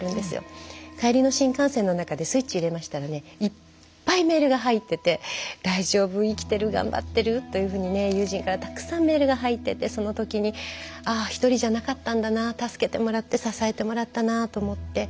帰りの新幹線の中でスイッチ入れましたらねいっぱいメールが入ってて「大丈夫？生きてる？頑張ってる？」というふうにね友人からたくさんメールが入っててその時にああ一人じゃなかったんだな助けてもらって支えてもらったなと思って。